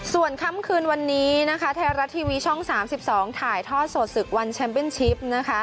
ส่วนค่ำคืนวันนี้นะคะไทยรัฐทีวีช่อง๓๒ถ่ายทอดสดศึกวันแชมป์เป็นชิปนะคะ